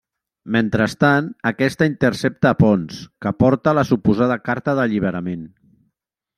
Mentrestant, aquesta intercepta a Ponç, que porta la suposada carta d'alliberament.